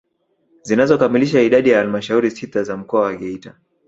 Zinazokamilisha idadi ya halmashauri sita za mkoa wa Geita